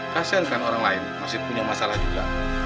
kasihankan orang lain masih punya masalah juga